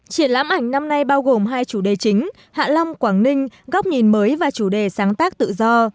triển lãm ảnh năm nay bao gồm hai chủ đề chính hạ long quảng ninh góc nhìn mới và chủ đề sáng tác tự do